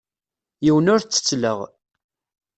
Yiwen ur t-ttettleɣ.